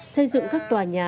xây dựng các tòa nhà